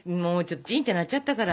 チンって鳴っちゃったから。